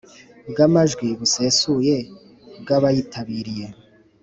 bw amajwi busesuye bw abayitabiriye